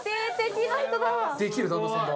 できる旦那さんだ！